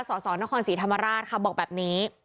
สสนครศรีธรรมราชค่ะบอกแบบนี้